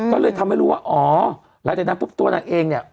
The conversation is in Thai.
ก็เลยทำให้รู้ว่าอ๋อหลังจากนั้นปุ๊บตัวนางเองเนี่ย